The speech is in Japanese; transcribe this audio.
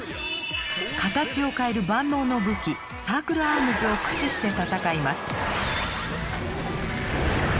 形を変える万能の武器「サークルアームズ」を駆使して戦います。